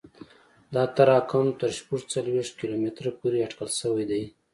دا تراکم تر شپږ څلوېښت کیلومتره پورې اټکل شوی دی